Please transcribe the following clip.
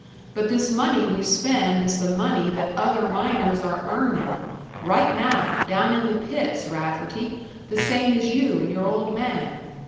But this money we spend is the money that other miners are earnin' right now, down in the pits, Rafferty, the same as you and your old man.